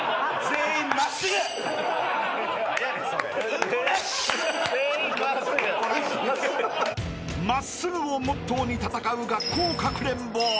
「全員まっすぐ」［「まっすぐ」をモットーに戦う学校かくれんぼ］